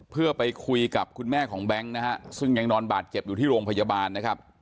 เพื่อไปคุยกับคุณแม่ของแบงค์นะฮะซึ่งยังนอนบาดเจ็บอยู่ที่โรงพยาบาลนะครับ